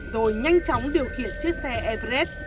rồi nhanh chóng điều khiển chiếc xe everest